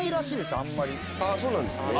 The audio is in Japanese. あぁそうなんですね。